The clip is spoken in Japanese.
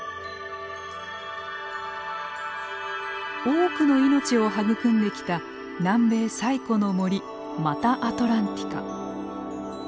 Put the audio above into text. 多くの命を育んできた南米最古の森マタアトランティカ。